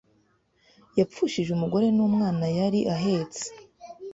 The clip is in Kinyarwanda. Yapfushije umugore numwana yari ahetse